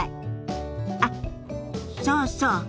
あっそうそう。